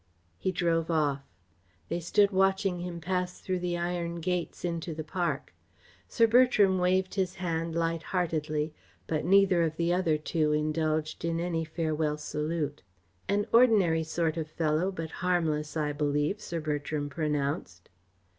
He drove off. They stood watching him pass through the iron gates into the park. Sir Bertram waved his hand light heartedly, but neither of the other two indulged in any farewell salute. "An ordinary sort of fellow, but harmless, I believe," Sir Bertram pronounced.